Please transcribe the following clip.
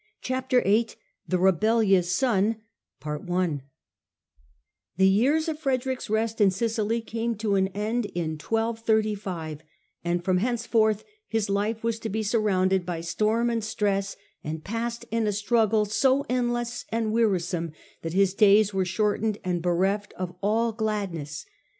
Chapter VIII THE REBELLIOUS SON f ""^HE years of Frederick's rest in Sicily came to an end in 1235, and from henceforth his life M was to be surrounded by storm and stress and passed in a struggle so endless and wearisome that his days were shortened and bereft of all gladness.